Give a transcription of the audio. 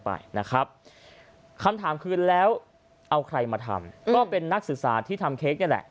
ไปนะครับคำถามคือแล้วเอาใครมาทำก็เป็นนักศึกษาที่ทำเค้กนี่แหละ